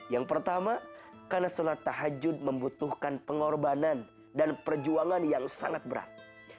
yang pertama karena sholat tahajud membutuhkan pengorbanan dan perjuangan yang sangat berat